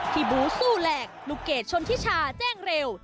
ที่บูศูแหลกลูกเกตชนทิชชาแจ้งเร็ว